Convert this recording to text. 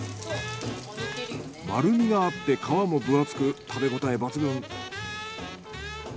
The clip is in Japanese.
丸みがあって皮も分厚く食べ応え抜群。